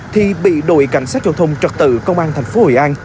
thì bị đội cảnh sát giao thông trật tự công an thành phố hồi an